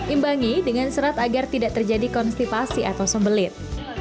imbangi dengan serat agar tidak terjadi konstipasi atau sembelit